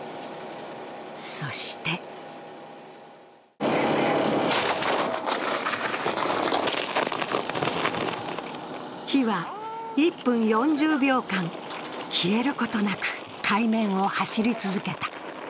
そして火は１分４０秒間、消えることなく海面を走り続けた。